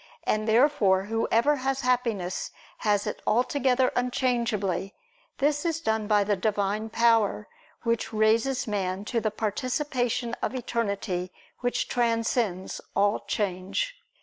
And therefore whoever has happiness has it altogether unchangeably: this is done by the Divine power, which raises man to the participation of eternity which transcends all change.